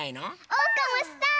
おうかもしたい！